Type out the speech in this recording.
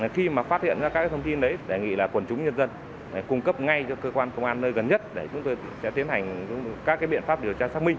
khi mà phát hiện ra các thông tin đấy đề nghị là quần chúng nhân dân cung cấp ngay cho cơ quan công an nơi gần nhất để chúng tôi sẽ tiến hành các biện pháp điều tra xác minh